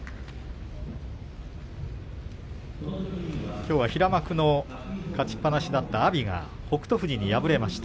きょうは平幕の勝ちっぱなしだった阿炎が北勝富士に敗れました。